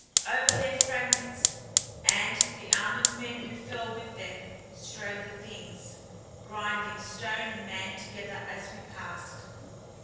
Over their fragments and the armored men who fell with them strode the Things, grinding stone and man together as we passed.